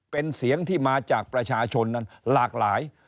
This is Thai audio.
เป็นเสียงที่มาจากประชาชนนั้นหลากหลาย